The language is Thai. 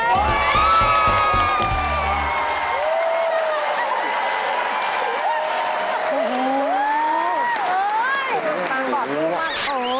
ตอบถูกมาก